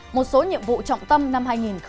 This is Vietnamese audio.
một số nhiệm vụ trọng tâm năm hai nghìn một mươi chín